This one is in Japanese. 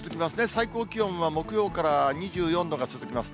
最高気温は木曜から２４度が続きます。